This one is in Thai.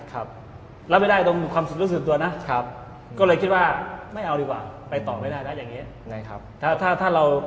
รับไม่ได้ตรงความรู้สึกตัวนะก็เลยคิดว่าไม่เอาดีกว่าไปต่อไม่ได้นะอย่างนี้